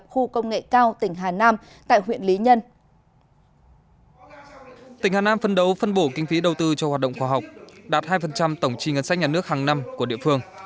hà nam phân đấu phân bổ kinh phí đầu tư cho hoạt động khoa học đạt hai tổng trì ngân sách nhà nước hàng năm của địa phương